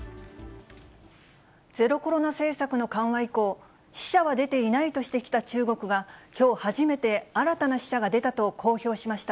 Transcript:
ゼロコロナ政策の緩和以降、死者は出ていないとしてきた中国がきょう、初めて新たな死者が出たと公表しました。